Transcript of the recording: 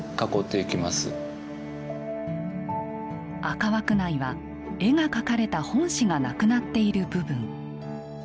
赤枠内は絵が描かれた本紙がなくなっている部分。